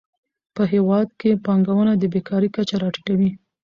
په هیواد کې پانګونه د بېکارۍ کچه راټیټوي.